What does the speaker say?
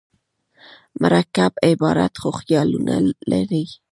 مرکب عبارت څو خیالونه لري.